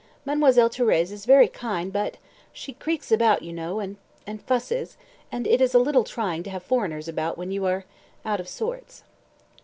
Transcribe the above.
Mademoiselle Thérèse is very kind, but she creaks about, you know, and and fusses, and it is a little trying to have foreigners about when you are out of sorts."